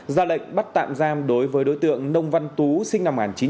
ra lệnh bắt tạm giam đối với đối tượng nông văn tú sinh năm một nghìn chín trăm tám mươi